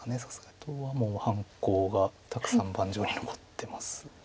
あとはもう半コウがたくさん盤上に残ってます。